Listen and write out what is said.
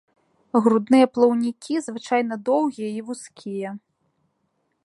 Грудныя плаўнікі звычайна доўгія і вузкія.